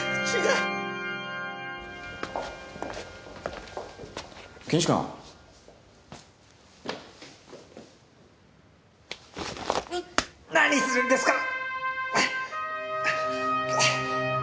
うっ何するんですか！